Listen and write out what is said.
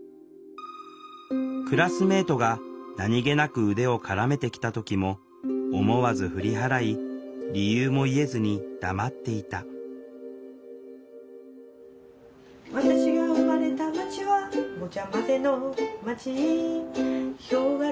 クラスメートが何気なく腕を絡めてきた時も思わず振り払い理由も言えずに黙っていた私が生まれた街はごちゃまぜの街ヒョウ柄